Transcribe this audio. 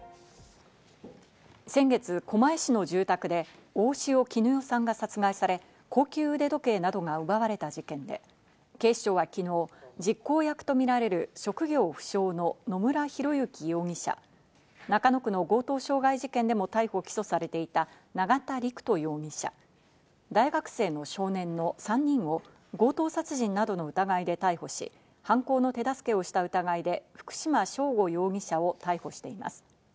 先月、狛江市の住宅で大塩衣与さんが殺害され、高級腕時計などが奪われた事件で、警視庁は昨日、実行役とみられる職業不詳の野村広之容疑者、中野区の強盗傷害事件でも逮捕・起訴されていた永田陸人容疑者、大学生の少年の３人を強盗殺人などの疑いで逮捕し、犯行の手助けをした疑いで福島聖悟容疑者を逮捕しています。